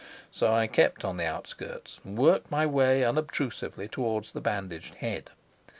So I kept on the outskirts and worked my way unobtrusively towards the bandaged head.